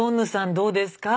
どうですか？